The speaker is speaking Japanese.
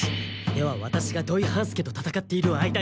ではワタシが土井半助と戦っている間に。